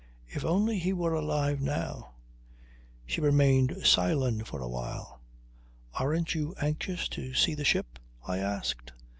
If only he were alive now ...! She remained silent for a while. "Aren't you anxious to see the ship?" I asked.